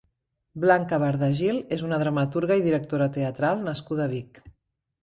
Blanca Bardagil és una dramaturga i directora teatral nascuda a Vic.